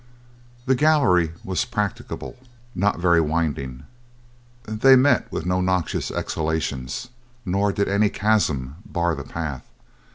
The gallery was practicable, not very winding. They met with no noxious exhalations, nor did any chasm bar the path.